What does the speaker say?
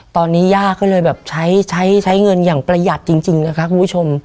ตอนนี้ย่าก็เลยแบบใช้ใช้เงินอย่างประหยัดจริงนะคะคุณผู้ชม